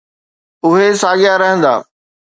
اهي ساڳيا رهندا.